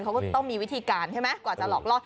เขาก็ต้องมีวิธีการใช่ไหมกว่าจะหลอกล่อ